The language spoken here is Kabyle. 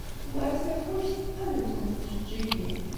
War tafukt, ad mmtent tijeǧǧigin.